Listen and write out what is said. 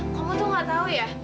kamu tuh gak tahu ya